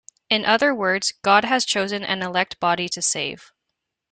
In other words, God has chosen an elect body to save.